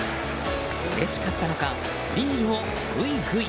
うれしかったのかビールをグイグイ！